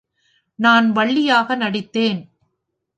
நான் வள்ளியாக நடித்தேன்.